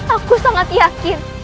aku sangat yakin